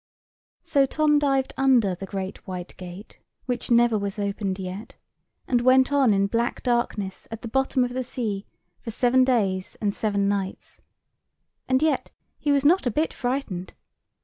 So Tom dived under the great white gate which never was opened yet, and went on in black darkness, at the bottom of the sea, for seven days and seven nights. And yet he was not a bit frightened.